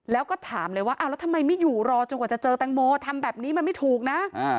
แล้วก็ถามเลยว่าอ้าวแล้วทำไมไม่อยู่รอจนกว่าจะเจอแตงโมทำแบบนี้มันไม่ถูกนะ